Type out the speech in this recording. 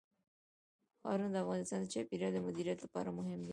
ښارونه د افغانستان د چاپیریال د مدیریت لپاره مهم دي.